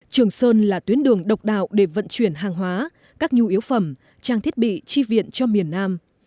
trường sơn là tuyến đường độc đạo để vận chuyển hàng hóa các nhu yếu phẩm trang thiết bị chi viện cho miền nam